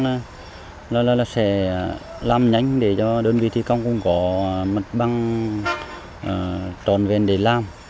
nên là sẽ làm nhanh để cho đơn vị thi công cũng có mật băng tròn vẹn để làm